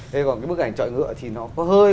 thế còn cái bức ảnh chọi ngựa thì nó hơi